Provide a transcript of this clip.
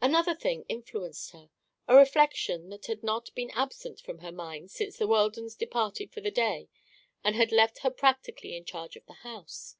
Another thing influenced her: a reflection that had not been absent from her mind since the Weldons departed for the day and had left her practically in charge of the house.